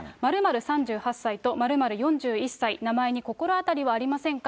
○○３８歳と○○４１歳、名前に心当たりはありませんか？